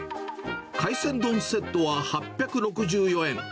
海鮮丼セットは８６４円。